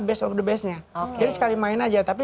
best of the best nya jadi sekali main aja tapi